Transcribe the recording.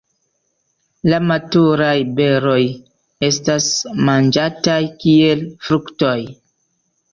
La maturaj beroj estas manĝataj kiel fruktoj.